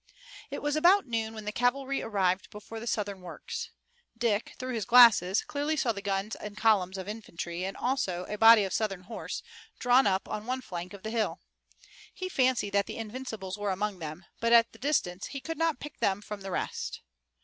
It was about noon when the cavalry arrived before the Southern works. Dick, through his glasses, clearly saw the guns and columns of infantry, and also a body of Southern horse, drawn up on one flank of the hill. He fancied that the Invincibles were among them, but at the distance he could not pick them from the rest.